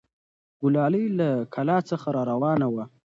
ګلالۍ له کلا څخه راروانه وه.